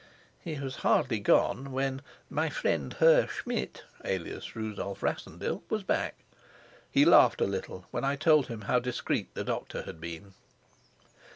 He was hardly gone when 'my friend Herr Schmidt' alias Rudolf Rassendyll was back. He laughed a little when I told him how discreet the doctor had been.